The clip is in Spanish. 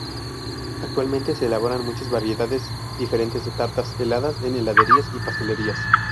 Actualmente se elaboran muchas variedades diferentes de tartas heladas en heladerías y pastelerías.